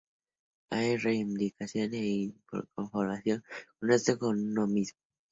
Hay reivindicación e inconformismo, con el resto y con uno mismo.